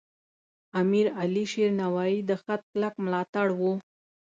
امیر علیشیر نوایی د خط کلک ملاتړی و.